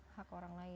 hak orang lain